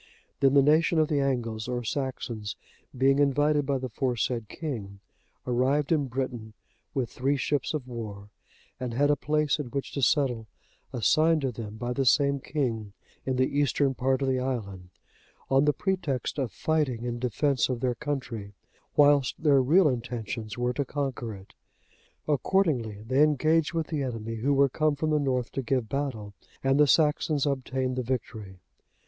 Then the nation of the Angles, or Saxons,(85) being invited by the aforesaid king,(86) arrived in Britain with three ships of war and had a place in which to settle assigned to them by the same king, in the eastern part of the island, on the pretext of fighting in defence of their country, whilst their real intentions were to conquer it. Accordingly they engaged with the enemy, who were come from the north to give battle, and the Saxons obtained the victory.